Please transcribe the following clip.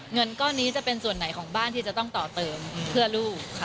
เงินก้อนนี้จะเป็นส่วนไหนของบ้านที่จะต้องต่อเติมเพื่อลูกค่ะ